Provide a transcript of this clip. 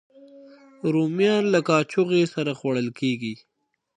رومیان له کاچوغې سره خوړل کېږي